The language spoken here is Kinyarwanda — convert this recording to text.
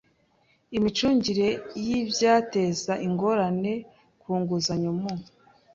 imicungire y ibyateza ingorane ku nguzanyo mu